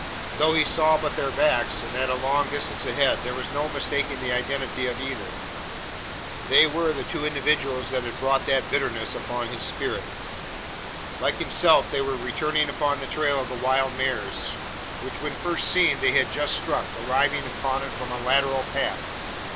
Though he saw but their backs and at a long distance ahead there was no mistaking the identity of either. They were the two individuals that had brought that bitterness upon his spirit. Like himself they were returning upon the trail of the wild mares; which, when first seen, they had just struck, arriving upon it from a lateral path.